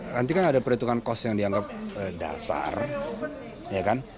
nanti kan ada perhitungan kos yang dianggap dasar ya kan